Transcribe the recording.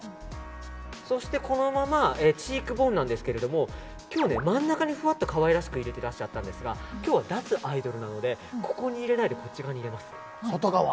そして、このままチークボーンですが今日、真ん中にふわっと可愛らしく入れていらっしゃったんですが今日は脱アイドルなのでここに入れないで外側。